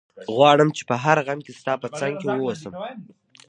غواړم په هر غم کي ستا په څنګ کي ووسم